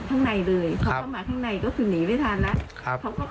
ข้างในเลยเขาเข้ามาข้างในก็คือหนีไม่ทันนะครับเขาก็